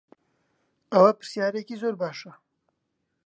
ئەوە پرسیارێکی زۆر باشە.